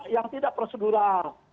yang tidak prosedural